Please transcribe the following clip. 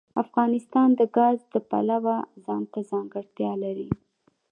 افغانستان د ګاز د پلوه ځانته ځانګړتیا لري.